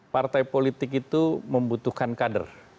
partai politik itu membutuhkan kader